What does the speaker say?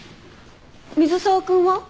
水沢君は？